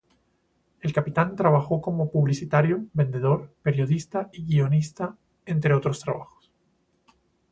El excapitán trabajó como publicitario, vendedor, periodista y guionista, entre otros trabajos.